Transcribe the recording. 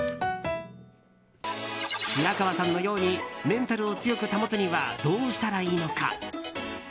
白川さんのようにメンタルを強く保つにはどうしたらいいのか？